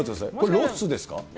これ、ロスですか？